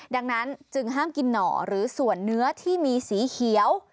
ดังนั้นจึงห้ามกินหน่อหรือส่วนเนื้อที่มีสีเขียว